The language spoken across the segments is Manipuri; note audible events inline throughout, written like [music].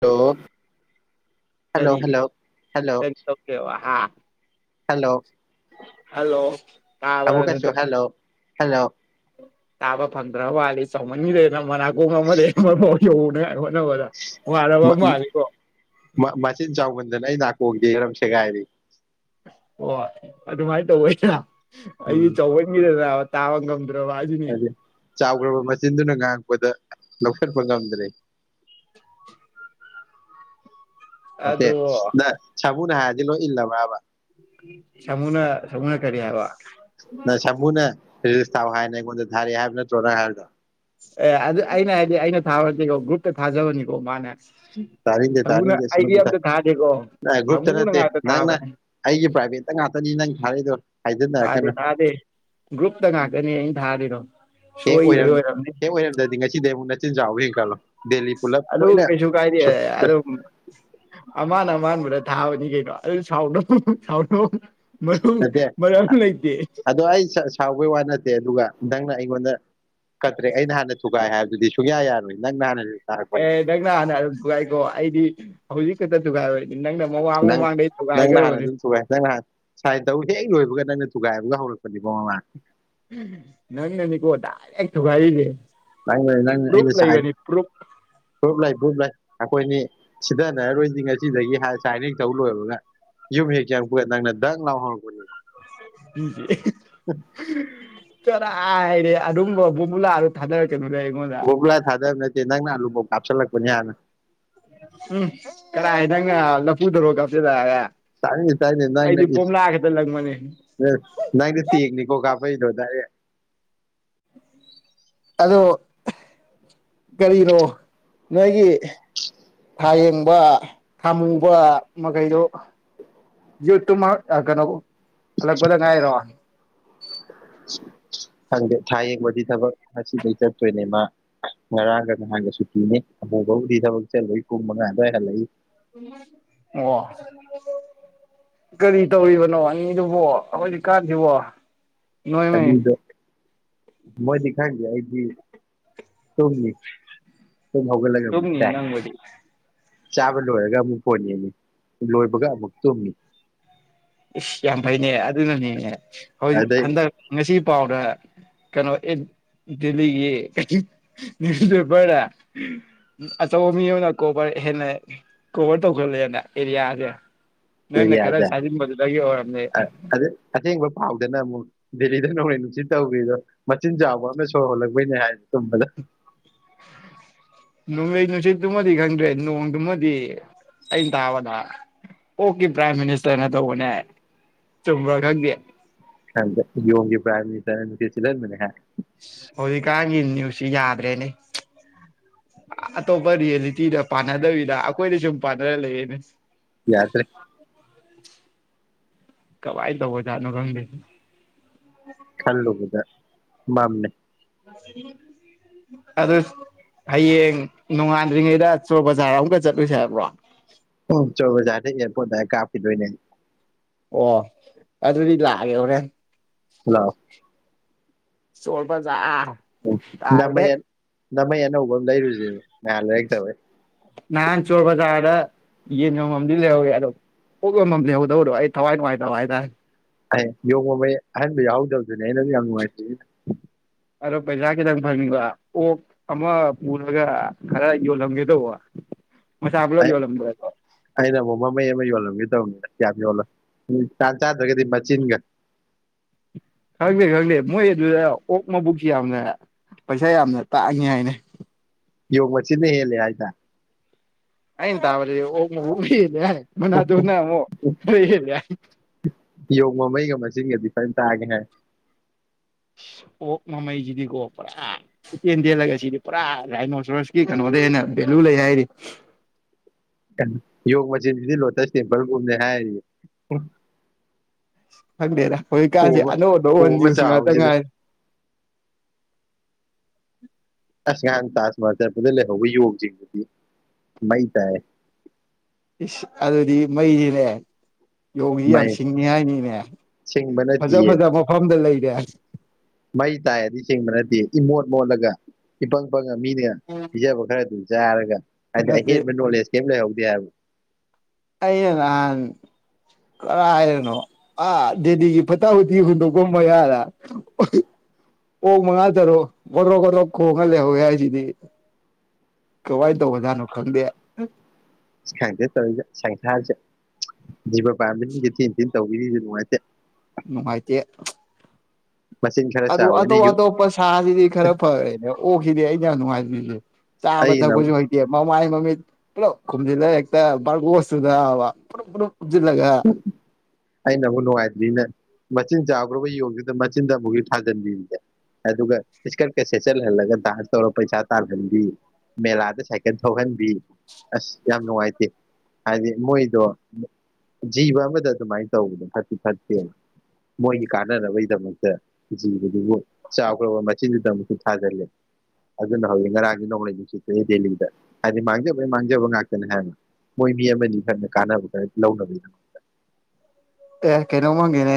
ꯍꯂꯣ ꯍꯂꯣ ꯀꯔꯤ ꯍꯂꯣ ꯍꯂꯣ ꯀꯔꯤ ꯇꯧꯒꯦꯕ ꯍꯥ ꯍꯂꯣ ꯍꯜꯂꯣ ꯑꯃꯃꯨ ꯇꯥꯕ꯭ꯔ ꯀꯁꯨ ꯍꯜꯂꯣ ꯍꯜꯂꯣ ꯇꯥꯕ ꯐꯪꯗ꯭ꯔ ꯃꯥꯜꯂꯤ ꯆꯧꯃꯟꯈꯤꯗꯅ ꯃꯅꯥ ꯀ ꯑꯃ [inaudible] [unintelligible] ꯕꯨ ꯍꯔꯕꯕ ꯋꯥꯔꯕ ꯃ- ꯃꯥꯜꯂꯤꯀꯣ ꯅꯅꯥꯀꯣꯡꯗꯤ ꯗ꯭ꯔꯝꯁꯦꯒꯥꯏꯔꯤ ꯍꯣꯏ ꯑꯗꯨꯃꯥꯏꯅ ꯇꯧꯕꯗ ꯑꯩ ꯎꯝ ꯆꯧꯃꯟꯈꯤꯗꯅ ꯇꯥꯕ ꯉꯝꯗ꯭ꯔꯦ ꯋꯥꯖꯅꯤ ꯑꯗꯨ ꯆꯥꯎꯈ꯭ꯔꯕ ꯃꯆꯤꯟꯗꯨꯅ ꯉꯥꯡꯉꯛꯄꯗ ꯂꯧꯁꯟꯕ ꯉꯝꯗꯔꯦ ꯑꯣꯀꯦ ꯑꯗꯣ ꯅꯪ ꯁꯃꯨꯅ ꯍꯥꯏ ꯁꯤ ꯂꯣꯏ ꯏꯜꯂꯕꯕ ꯁꯃꯨꯅ ꯁꯃꯨꯅ ꯀꯔꯤ ꯍꯥꯏꯕ ꯅ ꯁꯥꯃꯨꯅ ꯔꯦꯖꯤꯁ ꯊꯥꯎ ꯍꯥꯏꯅ ꯑꯩꯉꯣꯟꯗ ꯊꯥꯔꯛꯑꯦ ꯍꯥꯏꯕ ꯅꯠꯇ꯭ꯣ ꯅꯪ ꯍꯥꯏꯔꯤꯗꯣ ꯑꯦ ꯑꯗꯨ ꯑꯩꯅ ꯍꯥꯏꯗꯤ ꯑꯩꯅ ꯊꯥꯕꯅꯠꯇꯦꯀꯣ ꯒ꯭ꯔꯨꯞꯇ ꯊꯥꯖꯕꯅꯤꯀꯣ ꯃꯥꯅ ꯇꯥꯅꯤꯡꯗꯦ ꯁꯥꯃꯨꯅ ꯇꯥꯅꯤꯡꯗꯦ ꯑꯩꯗꯤ ꯑꯝꯇ ꯊꯥꯗꯦꯀꯣ [inaudible] ꯒ꯭ꯔꯨꯞꯇ ꯁꯥꯃꯨꯅ ꯅꯠꯇꯦ ꯉꯥꯛꯇ ꯅꯪꯅ ꯊꯥꯕꯅꯦ ꯑꯩꯒꯤ ꯄ꯭ꯔꯥꯏꯚꯦꯠꯇ ꯉꯥꯛꯇꯅꯤ ꯅꯪ ꯊꯥꯔꯤꯗꯣ ꯊꯥꯗꯦ ꯊꯥꯗꯦ ꯒ꯭ꯔꯨꯞꯇ ꯉꯥꯛꯀꯅꯤ ꯑꯩꯅ ꯊꯥꯔꯤꯗꯣ ꯍꯦꯛ ꯁꯣꯏꯈꯤꯕꯩ ꯑꯣꯏꯔꯝ ꯑꯣꯏꯔꯝꯅꯤ ꯍꯦꯛ ꯑꯣꯏꯔꯝꯗ꯭ꯔꯥꯗꯤ ꯉꯁꯤꯗꯒꯤ ꯑꯃꯨꯛ ꯅꯆꯤꯟ ꯆꯥꯎꯕ ꯌꯦꯡꯉꯨ ꯆꯠꯂꯣ ꯑꯗꯨ ꯀꯩꯁꯨ ꯀꯥꯏꯗꯦ ꯑꯗꯨ ꯑꯃꯅ ꯃꯥꯅ ꯊꯥꯕꯅꯤ ꯀꯩꯅꯣ ꯑꯗꯨ ꯁꯥꯎꯅꯣ ꯁꯥꯎꯅꯣ ꯅꯠꯇꯦ ꯑꯗꯣ ꯑꯩ ꯁꯥꯎꯕꯩ ꯋꯥ ꯅꯠꯇꯦ ꯑꯗꯨꯒ ꯅꯪꯅ ꯑꯩꯉꯣꯟꯗ [unintelligible] ꯑꯩꯅ ꯍꯥꯟꯅ ꯊꯨꯒꯥꯏ ꯍꯥꯏꯕ- ꯑꯗꯨꯗꯤ ꯁꯨꯡꯌꯥ ꯌꯥꯔꯣꯏ ꯅꯪꯅ ꯍꯥꯟꯅ ꯇꯥꯔꯛꯄꯅꯦ ꯑꯦ ꯅꯪꯅ ꯍꯥꯟꯅ ꯔꯨꯜ ꯊꯨꯒꯥꯏꯀꯣ ꯑꯩꯗꯤ ꯍꯧꯖꯤꯛ [unintelligible] ꯃꯃꯥꯡ ꯅꯪ ꯃꯃꯥꯡꯗꯩ ꯅꯪꯅ ꯍꯥꯟꯅ ꯊꯨꯒꯥꯏꯈ꯭ꯔꯕꯅꯤ ꯑꯗꯨꯝ ꯊꯨꯒꯥꯏ ꯅꯪ ꯅꯍꯥꯟ ꯁꯥꯏꯟ ꯇꯧ ꯍꯦꯛ ꯂꯣꯏꯕꯒ ꯅꯪꯅ ꯊꯨꯒꯥꯏꯕꯒ ꯍꯧꯔꯛꯄꯅꯤꯀꯣ ꯃꯃꯥꯡ ꯅꯪꯅꯅꯤ ꯀꯣ ꯗꯥꯏꯔꯦꯛ ꯊꯨꯒꯥꯏꯔꯤꯁꯦ ꯅꯪꯅ ꯅꯪ ꯄ꯭ꯔꯨꯞ ꯑꯩꯅ ꯁꯥꯏ ꯂꯩꯕꯅꯤ ꯄ꯭ꯔꯨꯞ ꯄ꯭ꯔꯨꯞ ꯂꯩ ꯄ꯭ꯔꯨꯞ ꯂꯩ ꯑꯩꯈꯣꯏꯅꯤ ꯁꯤꯗꯅꯔꯔꯣꯏꯖꯤ ꯉꯁꯤꯗꯒꯤ ꯍꯥꯏ ꯉꯁꯥꯏꯗꯩ ꯇꯧ ꯂꯣꯏꯕꯒ ꯌꯨꯝ ꯍꯦꯛ ꯆꯪꯉꯛꯄꯒ ꯅꯪꯅ ꯗꯛ ꯂꯥꯎ ꯍꯧꯔꯛꯄꯅꯤ ꯀꯣ- [inaudible] [unintelligible] ꯑꯩꯉꯣꯟꯗ ꯕꯣꯝꯕ꯭ꯂꯥ ꯊꯥꯗꯕ ꯅꯠꯇꯦ ꯅꯪꯅ ꯑꯂꯨ ꯕꯣꯝ ꯀꯥꯞꯁꯜꯂꯛꯄꯅꯤ ꯍꯥꯟꯅ ꯎꯝ ꯀꯔꯥꯏ ꯅꯪꯅ ꯂꯐꯨꯊꯔꯣ ꯀꯥꯞꯁꯤꯜꯂꯛꯑꯒ ꯇꯥꯅꯤꯡꯗꯦ ꯇꯥꯅꯤꯡꯗꯦ ꯅꯪꯅ ꯑꯩꯗꯤ ꯏꯁ ꯕꯣꯝꯂꯥ ꯈꯛꯇ ꯂꯪꯕꯅꯤ ꯅꯪ ꯅꯪꯅ ꯇꯦꯡꯅꯤꯀꯣ ꯀꯥꯞꯄꯛ ꯏꯗꯣ ꯗꯥꯏꯔꯦꯛ ꯑꯗꯣ ꯀꯔꯤꯅꯣ ꯅꯣꯏꯒꯤ ꯊꯥꯌꯦꯡꯕ ꯊꯃꯨꯕ ꯃꯈꯩꯗꯣ ꯌꯨꯠꯇꯨꯃꯛ ꯀꯩꯅꯣ ꯍꯜꯂꯛꯄꯗ ꯉꯥꯏꯔꯣ ꯈꯪꯗꯦ ꯊꯥꯏ ꯌꯦꯡꯕꯗꯤ ꯊꯕꯛ ꯉꯁꯤꯗꯒꯤ ꯆꯠꯇꯣꯏꯅꯦ ꯃꯥ ꯉꯔꯥꯡꯒ ꯅꯍꯥꯟꯒ ꯁꯨꯇꯤꯅꯦ ꯑꯃꯨꯕꯕꯨꯗꯤ ꯊꯕꯛ ꯆꯠꯂꯨꯏ ꯄꯨꯡ ꯃꯉꯥ ꯑꯗꯨꯋꯥꯏ ꯍꯜꯂꯛꯏ ꯑꯣ ꯀꯔꯤ ꯇꯧꯔꯤꯕꯅꯣ ꯑꯅꯤꯗꯨꯕꯣ ꯍꯧꯖꯤꯛ ꯀꯥꯟꯖꯤꯕꯣ ꯑꯅꯤꯗꯣ [unintelligible] ꯃꯣꯏꯗꯤ ꯈꯪꯗꯦ ꯑꯩꯗꯤ ꯇꯨꯝꯃꯤ ꯇꯨꯝ ꯍꯧꯒꯠꯂꯒ ꯇꯨꯝꯅꯤ ꯅꯪꯕꯨꯗꯤ [unintelligible] ꯆꯥꯕ ꯂꯣꯏꯔꯒ ꯑꯃꯨꯛ ꯐꯣꯟ ꯌꯦꯡꯉꯤ ꯂꯣꯏꯕꯒ ꯑꯃꯨꯛ ꯇꯨꯝꯃꯤ ꯏꯁ ꯌꯥꯝ ꯐꯩꯅꯦ ꯑꯗꯨꯅꯅꯤꯅꯦ ꯍꯣꯏ ꯑꯗꯩ ꯍꯟꯗꯛ ꯉꯁꯤ ꯄꯥꯎꯗ ꯀꯅꯣ ꯑꯦꯐ ꯗꯦꯜꯂꯤꯒꯤ ꯅ꯭ꯌꯨꯁꯄꯦꯄꯔꯗ ꯑꯆꯧꯕ ꯃꯤ ꯑꯃꯅ ꯀꯣꯚꯔ ꯍꯦꯟꯅ ꯀꯣꯚꯔ ꯇꯧꯈꯠꯂꯦꯅ ꯑꯦꯔꯤꯌꯥꯖꯦ ꯅꯪꯅ ꯈꯔ ꯆꯥꯅꯤꯡꯕꯗꯨꯗ ꯑ ꯑꯗꯩ ꯑꯁꯦꯡꯕ ꯄꯥꯎꯗꯅ ꯑꯃꯨꯛ ꯗꯦꯜꯂꯤꯗ ꯅꯣꯡꯂꯩ ꯅꯨꯡꯁꯤꯠ ꯁꯤꯠ ꯇꯧꯒ꯭ꯔꯤꯗꯣ ꯃꯆꯤꯟ ꯆꯥꯎꯕ ꯑꯃꯅ ꯁꯣꯔꯍꯣꯜꯂꯛꯄꯩꯅꯦ ꯍꯥꯏ ꯆꯨꯝꯕꯗ ꯅꯣꯡꯂꯩ ꯅꯨꯡꯁꯤꯠꯇꯨꯃꯗꯤ ꯈꯪꯗ꯭ꯔꯦ ꯅꯣꯡꯗꯨꯃꯗꯤ ꯑꯩꯅ ꯇꯥꯕꯗ ꯑꯣꯛ ꯀꯤ ꯄ꯭ꯔꯥꯏꯝ ꯃꯤꯅꯤꯁꯇꯔꯅ ꯇꯧꯕꯅꯦ ꯆꯨꯝꯕ꯭ꯔꯥ ꯈꯪꯗꯦ ꯑꯗ ꯌꯣꯡꯒꯤ ꯄ꯭ꯔꯥꯏꯝ ꯃꯤꯅꯤꯁꯇꯔꯅ ꯅꯨꯡꯁꯤꯠ ꯁꯤꯠꯂꯟꯕꯅꯦ ꯍꯥꯏ ꯁ ꯍꯧꯖꯤꯛꯀꯥꯟꯒꯤ ꯅ꯭ꯌꯨꯁꯁꯤ ꯌꯥꯗ꯭ꯔꯦꯅꯦ ꯆ ꯑꯇꯣꯞꯄ ꯔꯤꯌꯦꯂꯤꯇꯤꯗ ꯄꯥꯟꯅꯗꯕꯤꯗ ꯑꯩꯈꯣꯏꯗ ꯁꯨꯝ ꯄꯥꯟꯅꯔ ꯂꯩꯔꯦꯅꯦ ꯌꯥꯗ꯭ꯔꯦ [inaudible] ꯀꯃꯥꯏꯇꯧꯕ ꯖꯥꯠꯅꯣ ꯈꯪꯗꯦ ꯈꯜꯂꯨꯕꯗ ꯃꯝꯃꯦ ꯑꯗꯨ ꯍꯌꯦꯡ ꯅꯣꯡꯉꯥꯟꯗ꯭ꯔꯤꯉꯩꯗ ꯆꯣꯔ ꯕꯖꯥꯔ ꯑꯃꯨꯛꯀ ꯆꯠꯂꯨꯁꯦ ꯍꯥꯏꯕ꯭ꯔꯣ ꯈꯣꯏꯗꯥꯏ ꯀꯥꯄꯈꯤꯗꯣꯏꯅꯦ ꯑꯣ ꯑꯗꯨꯗꯤ ꯂꯥꯛꯑꯒꯦ ꯍꯣꯔꯦꯟ ꯂꯥꯎ ꯆꯣꯔ ꯕꯖꯥꯔꯔ ꯗꯥꯏꯔꯦꯛ ꯅꯃꯩ ꯑꯅꯧꯕ ꯑꯃ ꯂꯩꯔꯨꯖꯤꯔ ꯉꯍꯥꯟ ꯂꯩꯔꯛꯇꯕꯩ ꯅꯍꯥꯟ ꯆꯣꯔ ꯕꯖꯥꯔꯗ ꯌꯦꯟ ꯌꯣꯟꯕꯝꯗꯤ ꯂꯩꯍꯧꯋꯤ ꯑꯗꯣ ꯑꯣꯛ ꯌꯣꯟꯕꯝ ꯂꯩꯍꯧꯗꯧꯕꯗꯣ ꯑꯩ ꯊꯋꯥꯏ ꯅꯨꯡꯉꯥꯏꯇꯕ ꯍꯥꯏꯇꯥꯔꯦ ꯑꯩ ꯌꯣꯡ ꯃꯃꯩ ꯑꯍꯟꯕ ꯌꯥꯍꯧꯗꯕꯗꯨꯅꯦ ꯑꯩꯅ ꯌꯥꯝ ꯅꯨꯡꯉꯥꯏꯇ꯭ꯔꯤꯖꯦ ꯑꯗꯣ ꯄꯩꯖꯥ ꯈꯤꯇꯪ ꯐꯪꯅꯤꯡꯕ ꯑꯣꯛ ꯑꯃ ꯄꯨꯔꯒ ꯈꯔ ꯌꯣꯜꯂꯝꯒꯦ ꯇꯧꯕ ꯃꯁꯥ ꯄꯨꯂꯞ ꯑꯩ ꯌꯣꯜꯂꯝꯕꯔꯥ ꯗꯣ ꯑꯩꯅ ꯑꯃꯨꯛ ꯃꯃꯩ ꯌꯣꯜꯂꯝꯒꯦ ꯇꯧꯕꯅꯤꯗ ꯌꯥꯝ ꯌꯣꯜꯂꯝ ꯇꯥꯟ ꯆꯥꯗ꯭ꯔꯒꯗꯤ ꯃꯆꯤꯟꯒ ꯈꯪꯗꯦ ꯈꯪꯗꯦ ꯃꯣꯏ ꯑꯗꯨꯗ ꯑꯣꯛ ꯃꯕꯨꯛꯖꯤ ꯌꯥꯝꯅ ꯄꯩꯁꯥ ꯌꯥꯝꯅ ꯇꯥꯛꯉꯤ ꯍꯥꯏꯅꯦ ꯌꯣꯡ ꯃꯆꯤꯟꯅ ꯍꯦꯜꯂꯤ ꯍꯥꯏꯗ ꯑꯩꯅ ꯇꯥꯕꯗꯗꯤ ꯑꯣꯛ ꯃꯕꯨꯛꯅ ꯍꯦꯜꯂꯤ ꯍꯥꯏ ꯃꯅꯥꯇꯣꯟꯅ ꯑꯃꯨꯛ ꯈꯔ ꯍꯦꯜꯂꯦ ꯍꯥꯏ ꯌꯣꯡ ꯃꯃꯩꯒ ꯃꯆꯤꯟꯒꯗꯤ ꯂꯣꯏ ꯇꯥꯡꯉꯦ ꯍꯥꯏ ꯑꯣꯛ ꯃꯃꯩꯖꯤꯗꯤꯀꯣ ꯄꯨꯔꯥ ꯏꯇꯦꯟ ꯇꯦꯜꯂꯒ ꯁꯤꯗꯤ ꯄꯨꯔꯥ ꯔꯥꯏꯅꯣꯁꯣꯔꯁꯀꯤ ꯀꯩꯅꯣꯗꯒꯤ ꯍꯦꯟꯅ ꯚꯦꯂꯨ ꯂꯩ ꯍꯥꯏꯔꯤ ꯌꯣꯡ ꯃꯆꯤꯟꯖꯤ ꯗꯤ ꯂꯣꯇꯁ ꯇꯦꯝꯄꯜꯒꯨꯝꯅꯦ ꯍꯥꯏꯔꯤꯌꯦ ꯍꯝ ꯈꯪꯗꯦꯗꯥ ꯍꯧꯖꯤꯛꯀꯥꯟꯖꯦ ꯑꯅꯧ ꯑꯅꯧꯕ ꯄꯣꯝꯃ ꯅ꯭ꯌꯨꯁ ꯉꯥꯛꯇ ꯆꯥꯎꯕꯁꯤꯗ ꯉꯥꯏꯔꯦ ꯑꯁ ꯉꯍꯥꯟ ꯇꯥꯖ ꯃꯍꯜ ꯆꯠꯄꯗ ꯂꯩꯍꯧꯕ ꯌꯣꯡꯖꯤꯡꯗꯨꯗꯤ ꯃꯩ ꯇꯥꯏ ꯏꯁ ꯑꯗꯨꯗꯤ ꯃꯩꯅꯤꯅꯦ ꯌꯣꯡꯖꯤ ꯌꯥꯝ ꯃꯩ ꯁꯤꯡꯉꯦ ꯍꯥꯏꯅꯤꯅꯦ ꯁꯤꯡꯕ ꯐꯖ ꯅꯠꯇꯤꯌꯦ ꯐꯖꯕ ꯃꯐꯝꯗ ꯂꯩ ꯌꯥꯏ ꯃꯩ ꯇꯥꯏꯑꯦꯗꯤ ꯁꯤꯡꯕ ꯅꯠꯇꯦ ꯏ ꯃꯣꯠ ꯃꯣꯠꯂꯒ ꯏꯄꯪ ꯄꯪ ꯃꯤꯅꯒ ꯄꯤꯖꯕ ꯈꯔ ꯑꯗꯨ ꯆꯥ ꯔꯒ ꯍꯥꯏꯗꯤ ꯅꯠꯇꯦ ꯑꯍꯦꯟꯕ ꯀ꯭ꯅꯣꯂꯦꯗ꯭ꯖ ꯀꯩꯝ ꯂꯩꯍꯧ [unintelligible] ꯑꯩꯅ ꯅꯍꯥꯟ ꯀꯔꯥꯏꯗꯅꯣ ꯑꯥ ꯗꯦꯜꯂꯤꯒꯤ ꯐꯠꯇ ꯍꯥꯎꯇꯤ ꯍꯨꯟꯗꯣꯛꯐꯝ ꯃꯌꯥꯗ ꯑꯣꯛ ꯃꯉꯥ ꯇꯔꯨꯛ ꯘꯣꯗ꯭ꯔꯣꯛ ꯘꯣꯗ꯭ꯔꯣꯛ ꯈꯣꯡꯒ ꯂꯩꯍꯧꯋꯦ ꯍꯥꯏꯁꯤꯗꯤ ꯀꯃꯥꯏ ꯇꯧꯕꯖꯥꯠꯅꯣ ꯈꯪꯗꯦ ꯈꯪꯗꯦ ꯇꯧꯔꯤꯁꯦ ꯁꯪꯁꯥꯔꯁꯦ ꯖꯤꯕ ꯄꯥꯟꯕꯁꯤꯡꯁꯦ ꯊꯤꯅ ꯊꯤꯅ ꯇꯧꯕꯤꯔꯤꯁ ꯅꯨꯡꯉꯥꯏꯇꯦ ꯅꯨꯡꯉꯥꯏꯇꯦ ꯃꯆꯤꯟ ꯈꯔ ꯑꯗꯨ ꯆꯥꯎꯋꯦꯅ ꯑꯇꯣꯞ ꯌꯨ ꯑꯇꯣꯞꯄ ꯁꯥꯁꯤꯗꯤ ꯈꯔ ꯐꯔꯦꯅꯦ ꯑꯣꯛꯁꯤꯗꯤ ꯑꯩꯅ ꯌꯥꯝ ꯅꯨꯡꯉꯥꯏ [unintelligible] ꯆꯥꯕ ꯑꯩꯅ ꯇꯛꯄꯁꯨ ꯑꯃꯨꯛ ꯍꯩꯇꯦ ꯃꯥꯥꯏ ꯃꯃꯤꯠ ꯄꯨꯂꯞ ꯀꯣꯨꯝꯖꯤꯂꯒ ꯍꯦꯛꯇ ꯕꯥꯔꯒꯣꯁꯇꯨꯗꯕ ꯄꯨꯗ꯭ꯔꯨꯞ ꯄꯨꯗ꯭ꯔꯨꯞ ꯑꯩꯅ ꯑꯃꯨꯛ ꯅꯨꯡꯉꯥꯏꯇ꯭ꯔꯤꯅ ꯃ ꯃꯆꯤꯟ ꯆꯥꯎꯥꯈ꯭ꯔꯕ ꯌꯣꯡꯗꯨꯗ ꯃꯆꯤꯟꯗ ꯑꯃꯨꯛꯁꯨ ꯊꯥꯖꯤꯟꯕꯤꯌꯦ ꯑꯗꯨꯒ ꯏꯁꯀ꯭ꯔꯠꯀ ꯁꯦꯠꯆꯜꯍꯜꯂꯒ ꯗꯥꯟꯁ ꯇꯧꯔ ꯄꯩꯁꯥ ꯇꯥꯜꯍꯟꯕꯤ ꯃꯦꯂꯥꯗ ꯁꯥꯏꯀꯜ ꯊꯣꯛꯍꯟꯕꯤ ꯑꯁ ꯌꯥꯝ ꯅꯨꯡꯉꯥꯏꯇꯦ ꯍꯥꯏꯗꯤ ꯃꯣꯏꯗꯣ ꯖꯤꯕ ꯑꯃꯗ ꯑꯗꯨꯃꯥꯏꯅ ꯇꯧꯕꯗꯣ ꯐꯠꯇꯤ ꯐꯠꯇꯦꯕ ꯃꯣꯏꯒꯤ ꯀꯥꯟꯅꯅꯕꯒꯤꯗꯃꯛꯇ ꯖꯤꯕꯗꯨꯕꯨ ꯆꯥꯎꯈ꯭ꯔꯕ ꯃꯆꯤꯟꯗꯨꯗꯃꯁꯨ ꯊꯥꯖꯤꯜꯂꯦ ꯑꯗꯨꯅ ꯍꯧꯖꯤꯛ ꯉꯔꯥꯡꯒꯤ ꯅꯣꯡꯂꯩ ꯅꯨꯡꯁꯤꯠ ꯇꯨꯗꯤ ꯗꯦꯜꯂꯤꯗ ꯍꯥꯏꯗꯤ ꯃꯥꯡꯖꯕꯩ ꯃꯥꯡꯖꯕ ꯉꯥꯛꯇꯅꯦ ꯍꯥꯏꯕꯅꯦ ꯃꯣꯏ ꯃꯤ ꯑꯃꯅꯤ ꯈꯔꯅ ꯀꯥꯟꯅꯕ ꯈꯔ ꯂꯧꯅꯕꯒꯤꯗꯃꯛꯇ ꯑꯦ ꯀꯩꯅꯣꯝ ꯃꯪꯒꯦꯅꯦ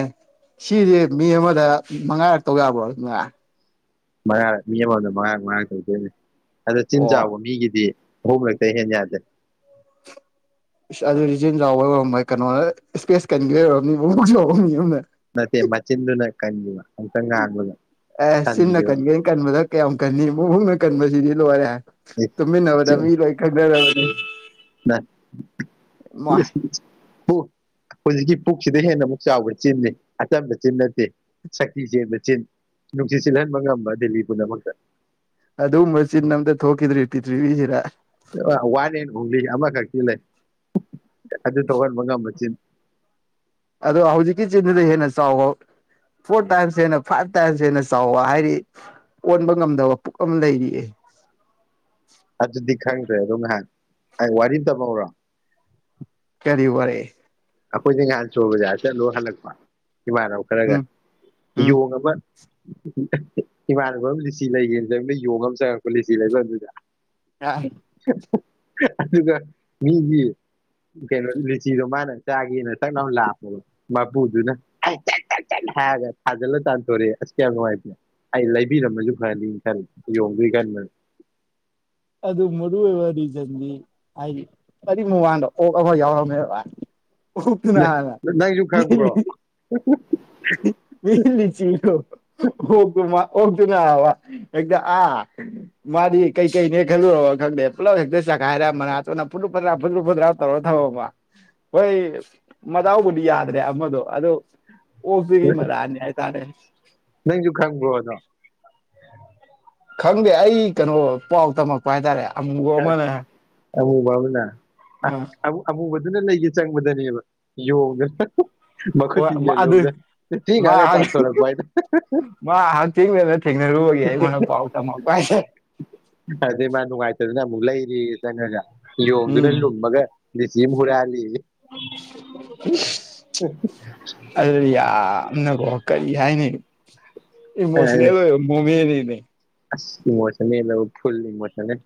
ꯁꯤꯁꯦ ꯃꯤ ꯑꯃꯗ ꯃꯉꯥꯔꯛ ꯇꯧ ꯌꯥꯕ꯭ꯔꯣ ꯉ ꯃꯉꯥꯔꯛ ꯃꯤ ꯑꯃꯝ ꯃꯝꯗ ꯃꯉꯥꯔꯛ ꯃꯉꯥꯔꯛ ꯇꯧꯗꯣꯏꯅꯦ ꯑꯗꯣ ꯆꯤꯟ ꯑꯣ ꯆꯥꯎꯕ ꯃꯤꯒꯤꯗꯤ ꯑꯍꯨꯝ ꯔꯛꯇꯩ ꯍꯦꯟꯅ ꯌꯥꯗꯦ ꯏꯁ ꯑꯗꯨꯗꯤ ꯆꯤꯟ ꯆꯥꯎꯕ ꯑꯣꯏꯔꯝꯃꯣꯏ ꯀꯩꯅꯣꯅ ꯏꯁꯄꯦꯁ ꯀꯟꯈꯤꯕ ꯑꯣꯏꯔꯝꯅꯤ ꯃꯕꯨꯛ ꯆꯥꯎꯕ ꯃꯤ ꯑꯃꯅ ꯅꯠꯇꯦ ꯃꯆꯤꯟꯗꯨꯅ ꯀꯟꯒꯤꯕ ꯑ ꯆꯤꯟꯅ ꯀꯟꯒꯦ ꯀꯟ ꯕꯗ ꯀꯌꯥꯝ ꯀꯟꯅꯤ ꯃꯕꯨꯡꯅ ꯀꯟꯕꯁꯤꯗꯤ ꯂꯣꯏꯔꯦ ꯇꯨꯝꯃꯤꯟꯅꯕꯗ ꯃꯤ ꯂꯣꯏ ꯈꯪꯅꯔꯕꯅꯤ ꯃꯥꯏ [unintelligible] ꯍꯧꯖꯤꯛꯀꯤ ꯄꯨꯛꯁꯤꯗ ꯍꯦꯟꯅ ꯑꯃꯨꯛ ꯆꯥꯎꯕ ꯆꯤꯟꯅꯤ ꯑꯆꯝꯕ ꯆꯤꯟ ꯅꯠꯇꯦ ꯁꯛꯇꯤ ꯆꯦꯟꯕ ꯆꯤꯟ ꯅꯨꯡꯁꯤꯠ ꯁꯤꯠꯍꯟꯕ ꯉꯝꯕ ꯗꯦꯜꯂꯤ ꯄꯨꯝꯅꯃꯛꯇ ꯑꯗꯨꯃꯕ ꯆꯤꯟ ꯑꯝꯇ ꯊꯣꯛꯈꯤꯗ꯭ꯔꯤ ꯄ꯭ꯔꯤꯊꯤꯕꯤꯁꯤꯗ ꯋꯥꯟ ꯑꯦꯟ [unintelligible] ꯂꯩ ꯑꯗꯨ ꯊꯣꯛꯍꯟꯕ ꯉꯝꯕ ꯆꯤꯟ ꯑꯗꯣ ꯍꯧꯖꯤꯛꯀꯤ ꯆꯤꯟꯗꯨꯗ ꯍꯦꯟꯅ ꯆꯥꯎꯕ ꯐꯣꯔ ꯇꯥꯏꯝꯁ ꯍꯦꯟꯅ ꯐꯥꯏꯚ ꯇꯥꯏꯝꯁ ꯍꯦꯟꯅ ꯆꯥꯎꯕ ꯍꯥꯏꯔꯤ ꯑꯣꯟꯕ ꯉꯝꯗꯕ ꯄꯨꯛ ꯑꯃ ꯂꯩꯔꯤꯑ ꯑꯗꯨꯗꯤ ꯈꯪꯗ꯭ꯔꯦ ꯑꯗꯣ ꯉꯥꯏꯍꯥꯛ ꯑꯩ ꯋꯥꯔꯤ ꯇꯝꯃꯧꯔꯣ ꯀꯔꯤ ꯋꯥꯔꯦ ꯑꯈꯣꯏꯗꯤ ꯉꯍꯥꯟ ꯆꯣꯔ ꯕꯖꯥꯔ ꯆꯠꯂꯨꯔꯒ ꯍꯜꯛꯄ ꯏꯃꯥꯟꯅꯕ ꯈꯔꯒ ꯎꯝ ꯎꯝ ꯌꯣꯒ ꯑꯃ ꯏꯃꯥꯟꯅꯕ ꯑꯃꯗꯤ ꯂꯤꯆꯤ ꯂꯩꯒꯦꯅ ꯆꯪꯉꯛꯄꯗ ꯌꯣꯡ ꯑꯃ ꯆꯪꯉꯛꯄ ꯂꯤꯆꯤ ꯂꯩꯕꯝꯗꯨꯗ ꯑꯗꯨ [unintelligible] ꯑꯗꯨꯒ ꯃꯤꯒꯤ ꯀꯩꯅꯣ ꯂꯤꯆꯤꯗꯣ ꯃꯥꯅ ꯆꯥꯒꯦꯅ ꯇꯛ ꯂꯥꯎꯅ ꯂꯥꯝꯃꯨꯕ ꯃꯄꯨꯗꯨꯅ ꯍꯩ ꯆꯛ ꯆꯛ ꯆꯛ ꯍꯥꯏꯔꯒ ꯊꯥꯖꯜꯂꯒ ꯇꯥꯟꯊꯣꯔꯛꯑꯦ ꯑꯁ ꯀꯌꯥꯝ ꯅꯨꯡꯉꯥꯏꯇꯦ ꯑꯩ ꯂꯩꯕꯤꯔꯝꯃꯁꯨ ꯐꯔꯅꯤꯅ ꯈꯜꯂꯤ ꯌꯣꯡꯗꯨꯒꯤ ꯈꯟꯕꯗ ꯑꯗꯨ ꯃꯔꯨ ꯑꯣꯏꯕ ꯔꯤꯖꯟꯗꯤ ꯍꯥꯏꯗꯤ ꯀꯔꯤ ꯃꯃꯥꯡꯗ ꯑꯣꯛ ꯑꯃ ꯌꯥꯎꯔꯝꯃꯦꯕ ꯑꯣꯛꯇꯨꯅ ꯍꯥꯟꯅ ꯅ-ꯅꯪꯁꯨ ꯈꯪꯕ꯭ꯔꯣ [unintelligible] ꯑꯣꯛꯇꯨꯅꯕ ꯍꯦꯛꯇ ꯑꯥ ꯃꯥꯗꯤ ꯀꯩꯀꯩꯅꯦ ꯈꯜꯂꯨꯔꯕ ꯈꯪꯗꯦ ꯄꯨꯂꯞ ꯍꯦꯛꯇ ꯆꯈꯥꯏꯔ ꯃꯅꯥꯇꯣꯟꯅ ꯐꯗ꯭ꯔꯨ ꯐꯗ꯭ꯔꯥ ꯐꯗ꯭ꯔꯨ ꯐꯗ꯭ꯔꯥ ꯇꯧꯔꯒ ꯊꯃꯝꯃ ꯍꯣꯏ ꯃꯗꯥꯎꯕꯨꯗꯤ ꯌꯥꯗ꯭ꯔꯦ ꯑꯃꯗꯣ ꯑꯗꯣ ꯑꯣꯛꯇꯨꯒꯤ ꯃꯔꯥꯜꯅꯦ ꯍꯥꯏ ꯇꯥꯔꯦ ꯅꯪꯖꯨ ꯈꯪꯕ꯭ꯔꯣ ꯑꯗꯣ ꯈꯪꯗꯦ ꯑꯩ ꯀꯩꯅꯣ ꯄꯥꯎ ꯇꯝꯃꯛꯄ ꯍꯥꯏꯇꯥꯔꯦ ꯑꯃꯨꯕ ꯑꯃꯅ ꯑ ꯑꯃꯨꯕ ꯑꯃꯅ ꯑꯃ ꯑꯃ ꯑꯃꯨ ꯐꯖꯅ ꯂꯩꯒꯦ ꯆꯪꯕꯗꯅꯦꯕ ꯌꯣꯒ ꯃꯈꯨꯠ ꯑꯣ ꯑꯗꯨ ꯊꯤꯡꯖꯜꯂꯨꯕꯗ ꯊꯤ ꯃꯥ ꯉꯥꯡꯉ ꯇꯥꯟꯊꯣꯔꯛꯄ ꯍꯥꯏ ꯇꯥꯔꯦ ꯃꯥ ꯍꯛꯊꯦꯡꯅꯅ ꯊꯦꯡꯅꯔꯨꯕꯒꯤ ꯑꯩꯉꯣꯟꯗ ꯄꯥꯎ ꯇꯝꯃꯛꯄ ꯍꯥꯏ ꯇꯥꯔꯦ ꯎ ꯇꯩꯗꯅꯒ [unintelligible] ꯌꯣꯡꯗꯨꯅ ꯂꯨꯝꯃꯒ ꯂꯤꯆꯤ ꯑꯃ ꯍꯨꯔꯥꯜꯂꯦꯌꯦ [inaudible] ꯑꯗꯨ ꯌꯥ [unintelligible] ꯌꯥꯝꯅꯀꯣ ꯀꯔꯤ ꯍꯥꯏꯅꯤ ꯑꯩꯅ ꯏꯃꯣꯁꯅꯦꯜ ꯍꯥꯏꯁꯦ ꯑꯣꯏꯕ ꯃꯣꯃꯦꯟꯅꯦ [inaudible] ꯑꯁ ꯏꯃꯣꯁꯟꯅꯦꯜ ꯍꯥꯏꯕꯨ ꯐꯨꯜ ꯏꯃꯣꯁꯟꯅꯦꯜ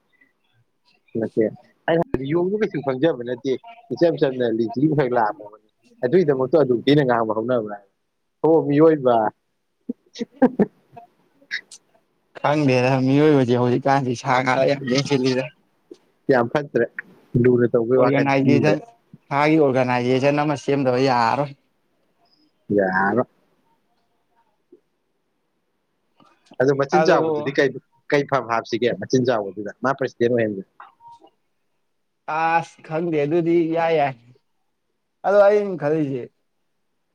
ꯅꯠꯇꯦ ꯑꯩꯅ ꯍꯥꯏꯕꯗꯤ ꯌꯣꯡꯕ ꯀꯩꯁꯨ ꯈꯪꯖꯕ ꯅꯠꯇꯦ ꯏꯆꯝ ꯆꯝꯅ ꯂꯤꯆꯤ ꯑꯝꯈꯛ ꯂꯥꯝꯃꯨꯕꯅꯤ ꯑꯗꯨꯏꯗꯃꯛꯇ ꯑꯗꯨꯛ ꯊꯤꯅ ꯉꯥꯡꯕ ꯍꯧꯅꯕ꯭ꯔꯥ ꯍꯣ ꯃꯤꯑꯣꯏꯕ [inaudible] ꯈꯪꯗꯦꯗ ꯃꯤꯑꯣꯏꯕꯖꯦ ꯍꯧꯖꯤꯛ [unintelligible] ꯌꯥꯝ ꯐꯠꯇ꯭ꯔꯦ ꯂꯨꯅ ꯇꯧꯕꯩ ꯋꯥꯈꯜ ꯈꯟꯗ꯭ꯔꯦ ꯑꯣꯔꯒꯅꯥꯏꯖꯦꯁꯟ ꯍꯥꯏ ꯑꯣꯔꯒ ꯅꯥꯏꯖꯦꯁꯟ ꯑꯃ ꯁꯦꯝꯗꯕ ꯌꯥꯔꯔꯣꯏ ꯌꯥꯔꯔꯣꯏ ꯑꯗꯨ ꯃꯆꯤꯟ ꯑꯗꯨ ꯆꯥꯎꯕꯗꯨꯗꯤ ꯀꯩ ꯀꯩ ꯐꯝ ꯍꯥꯞꯁꯤꯒꯦ ꯃꯆꯤꯟ ꯆꯥꯎꯕꯗꯨꯗ ꯃꯥ ꯄ꯭ꯔꯁꯤꯗꯦꯟ ꯑꯣꯏꯍꯟꯁꯦ ꯑꯁ ꯈꯪꯗꯦ ꯑꯗꯨꯗꯤ ꯏꯌꯥ ꯌꯥꯏ ꯑꯗꯣ ꯑꯩꯅ ꯈꯜꯂꯤꯁꯦ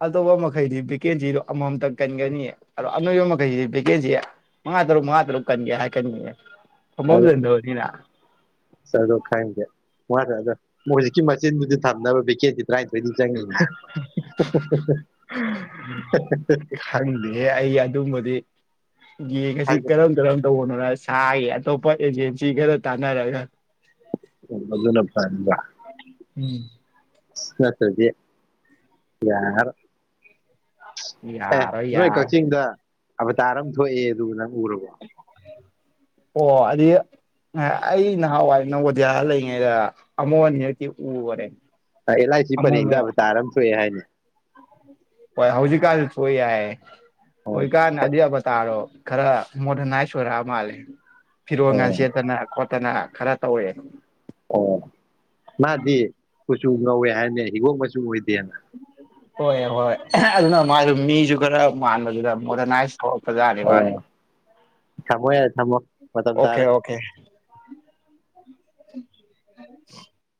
ꯑꯇꯣꯞꯄ ꯃꯈꯩꯗꯤ ꯚꯦꯀꯦꯟꯁꯤꯗꯣ ꯑꯃꯃꯝꯇꯪ ꯀꯟꯒꯅꯤꯌꯦ ꯑꯗꯣ ꯑꯅꯣꯏꯕ ꯃꯈꯩꯁꯤꯗꯤ ꯚꯦꯀꯦꯟꯁꯤ ꯃꯉꯥ ꯇꯔꯨꯛ ꯃꯉꯥ ꯇꯔꯨꯛ ꯀꯟꯒꯦ ꯍꯥꯏꯔꯛꯀꯅꯤꯌꯦ ꯐꯝꯕꯝ ꯑꯗ ꯂꯩꯗꯕꯅꯤꯅ ꯑꯁ ꯑꯗꯣ ꯈꯪꯗꯦ ꯃꯥꯅ ꯑꯗꯣ ꯍꯧꯖꯤꯛꯀꯤ ꯃꯆꯤꯟꯗꯨꯗꯤ ꯊꯝꯅꯕ ꯚꯦꯀꯤꯡ [unintelligible] ꯀꯦꯖꯤ ꯇꯔꯥꯊꯣꯏꯗꯤ ꯆꯪꯅꯤꯅ ꯍꯥꯏꯔꯛꯄ ꯑꯗꯨꯃꯗꯤ ꯌꯦꯡ ꯉꯁꯤ ꯀꯔꯝ ꯀꯔꯝ ꯇꯧꯕꯅꯣ ꯍꯥꯏꯌꯦ ꯑꯇꯣꯞꯄ ꯑꯦꯖꯦꯟꯁꯤ ꯈꯔ ꯇꯟꯅꯔꯒ ꯑꯗꯨꯅ ꯐꯔꯥꯗ꯭ꯔꯥ ꯎꯝ ꯅꯠꯇꯥ꯭ꯔꯗꯤ ꯌꯔꯥꯔꯣꯏ ꯑꯦ ꯌꯥꯔꯣꯏ ꯅꯣꯏ ꯌꯥꯔꯣꯏ ꯀꯛꯆꯤꯡꯗ ꯑꯕꯇꯥꯔ ꯑꯃ ꯊꯣꯛ ꯑꯦ ꯗꯨ ꯅꯪ ꯎꯔꯕꯣ ꯑꯣ ꯑꯗꯨ ꯑꯩꯅ ꯅꯍꯥꯟꯋꯥꯏ ꯅꯑꯕꯣꯗꯤꯌꯥ ꯂꯩꯔꯤꯉꯩꯗ ꯑꯃꯨꯛ ꯑꯅꯤꯔꯛꯇꯤ ꯎꯈꯔꯦ ꯂꯥꯢꯔꯦꯜ ꯑꯥꯏ ꯁꯤ ꯑꯃꯨꯛ ꯄꯔꯦꯡꯗ ꯑꯃꯨꯛ ꯑꯕꯥꯇꯥꯔ ꯑꯝ ꯊꯣꯛꯑꯦ ꯍꯥꯏꯅꯦ [inaudible] ꯍꯣꯏ ꯍꯧꯖꯤꯛ ꯀꯟꯁꯨ ꯊꯣꯛꯏ ꯍꯥꯏ ꯍꯣꯏ ꯑꯣ ꯀꯥꯟꯅꯗꯦ ꯑꯕꯥ ꯇꯥꯔꯣ ꯈꯔ ꯃꯣꯗ꯭ꯔꯅꯥꯏꯁ ꯑꯣꯏꯔꯛꯑ ꯃꯥꯜꯂꯦ ꯐꯤꯔꯣꯜꯒ ꯑꯣ ꯁꯦꯠꯇꯅ ꯈꯣꯠ ꯇꯅ ꯈꯔ ꯇꯧꯋꯦ ꯑꯣ ꯃꯥꯗꯤ ꯀꯨꯆꯨ ꯉꯧꯋꯦ ꯍꯥꯏꯅꯦ ꯍꯤꯒꯣꯛ ꯑꯣꯏꯗꯦꯅ ꯍꯣꯏ ꯍꯣꯏ ꯑꯗꯨꯅ ꯃꯥꯁꯨ ꯃꯤꯁꯨ ꯈꯔ ꯃꯥꯟꯕꯗꯨꯗ ꯃꯣꯗ꯭ꯔꯅꯥꯏꯁ ꯑꯣ ꯊꯝꯃꯣ ꯌꯥꯔꯦ ꯊꯝꯃꯣ ꯃꯇꯝ ꯑꯣꯀꯦ ꯇꯥꯔꯦ ꯑꯣꯀꯦ [inaudible]